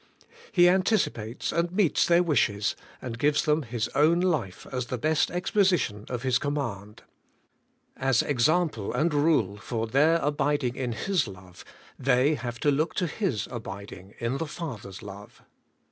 He anticipates and meets their wishes, and gives them His owk life as the best exposition of His command. As example and rule for their abiding in His love, they have to look to His abiding in the Father's love.